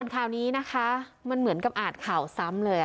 ก่อนคราวนี้นะคะมันเหมือนกับอาจเปล่าข่าวซ้ำเลยอ่ะ